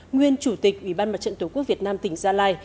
nguyên chủ tịch ủy ban mặt trận tổ quốc việt nam tỉnh gia lai